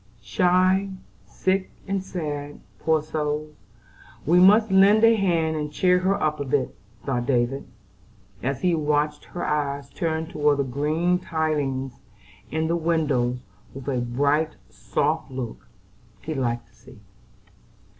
"Shy, sick, and sad; poor soul, we must lend a hand and cheer her up a bit" thought David, as he watched her eyes turn toward the green tilings in the windows with a bright, soft look, he liked to see.